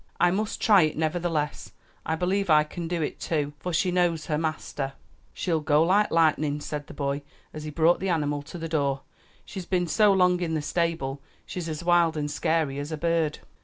"I must try it, nevertheless; I believe I can do it too; for she knows her master." "She'll go like lightnin'," said the boy, as he brought the animal to the door; "she's been so long in the stable, she's as wild and scary as a bird."